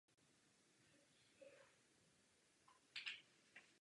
Měla by být prospěšná hospodářství a společnosti.